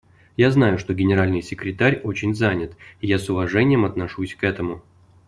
Я знаю, что Генеральный секретарь очень занят, и я с уважением отношусь к этому.